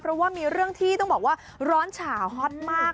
เพราะว่ามีเรื่องที่ต้องบอกว่าร้อนฉาฮอตมาก